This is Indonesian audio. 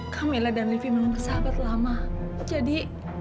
kamila dan livi belum bersahabat lama jadi